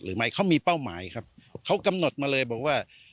หรือไม่เขามีเป้าหมายครับเขากำหนดมาเลยบอกว่า